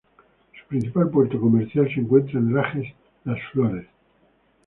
Su principal puerto comercial se encuentra en Lajes das Flores.